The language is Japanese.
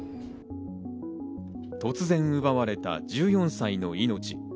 突然奪われた１４歳の命。